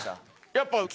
やっぱ。